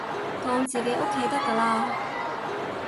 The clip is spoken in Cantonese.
當自己屋企得㗎喇